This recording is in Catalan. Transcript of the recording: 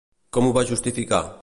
Com ho va justificar?